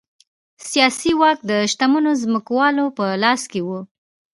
سیاسي واک د شتمنو ځمکوالو په لاس کې و